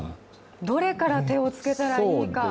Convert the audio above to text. どれから手をつけたらいいか。